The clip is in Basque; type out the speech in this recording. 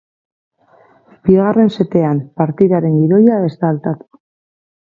Bigarren setean, partidaren gidoia ez da aldatu.